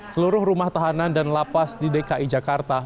seluruh rumah tahanan dan lapas di dki jakarta